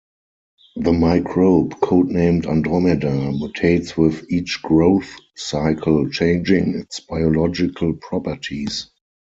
The microbe, code named "Andromeda", mutates with each growth cycle, changing its biological properties.